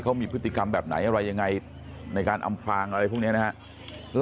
เขามีพฤติกรรมแบบไหนอะไรยังไงในการอำพลางอะไรพวกนี้นะครับ